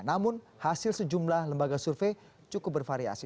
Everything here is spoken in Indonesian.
namun hasil sejumlah lembaga survei cukup bervariasi